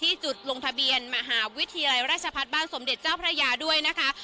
จุดลงทะเบียนมหาวิทยาลัยราชพัฒน์บ้านสมเด็จเจ้าพระยาด้วยนะคะ